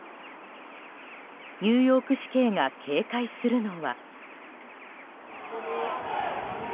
ニューヨーク市警が警戒するのは。